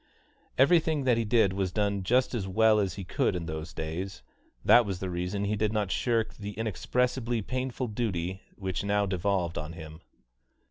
Everything that he did was done just as well as he could in those days; that was the reason he did not shirk the inexpressibly painful duty which now devolved on him.